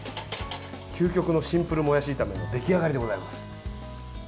究極のシンプルもやし炒めの出来上がりでございます。